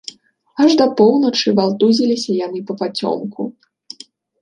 Аж да поўначы валтузіліся яны папацёмку.